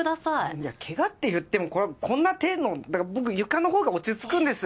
いやケガっていってもこんな程度だから僕床のほうが落ち着くんです。